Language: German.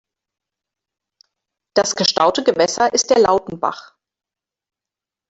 Das gestaute Gewässer ist der Lautenbach.